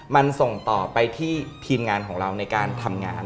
มันส่งต่อไปที่ทีมงานของเราในการทำงาน